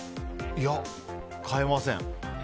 いや、変えません。